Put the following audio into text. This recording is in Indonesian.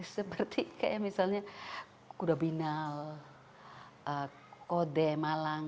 seperti kayak misalnya kuda binal kode malang